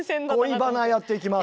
「恋バナ」やっていきます。